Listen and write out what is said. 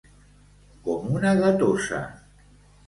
Com una gatosa.